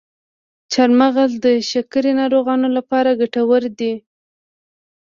چارمغز د شکرې ناروغانو لپاره ګټور دی.